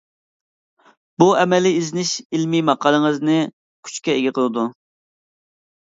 بۇ ئەمەلىي ئىزدىنىش ئىلمى ماقالىڭىزنى كۈچكە ئىگە قىلىدۇ.